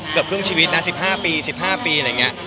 เกือบครึ่งชีวิตนะ๑๕ปี๑๕ปีอะไรอย่างนี้